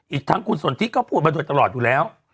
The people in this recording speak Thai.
อีกทั้งคุณสนทิก็พูดมาโดยตลอดอยู่แล้ว